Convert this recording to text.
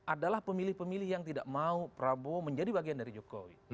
adalah pemilih pemilih yang tidak mau prabowo menjadi bagian dari jokowi